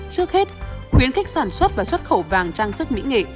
trước hết khuyến khích sản xuất và xuất khẩu vàng trang sức mỹ nghệ